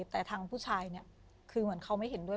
แต่ทางผู้ชายเนี่ย